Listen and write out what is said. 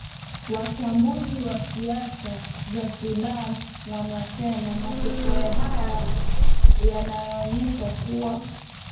wachambuzi wa siasa za sudan wanasema matokeo haya yanaonyesha kuwa